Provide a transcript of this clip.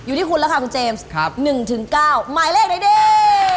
อยู่ที่คุณแล้วค่ะคุณเจมส์๑๙หมายเลขไหนดี